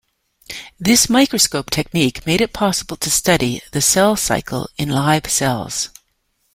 This microscope technique made it possible to study the cell cycle in live cells.